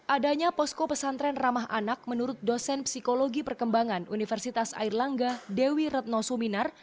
adanya posko pesantren ramah anak menurut dosen psikologi perkembangan universitas airlangga dewi retno suminar